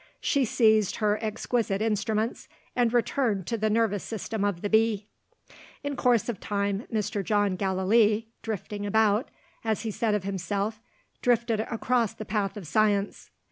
She seized her exquisite instruments, and returned to the nervous system of the bee. In course of time, Mr. John Gallilee "drifting about," as he said of himself drifted across the path of science.